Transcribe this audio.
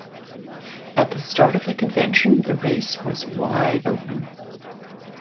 At the start of the convention, the race was wide open.